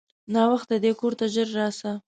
ناوخته دی کورته ژر راسه!